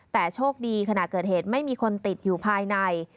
แต่โชคดีขณะเกิดเหตุไม่มีคนติดอยู่ภายใน